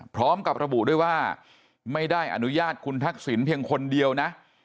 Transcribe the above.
พร้อมกับระบุด้วยว่าไม่ได้อนุญาตคุณทักษิณเพียงคนเดียวนะ